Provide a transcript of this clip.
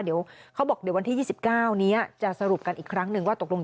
เดี๋ยวเขาบอกวันที่๒๙นี้จะสรุปกันอีกครั้งนึง